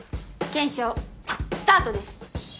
検証スタートです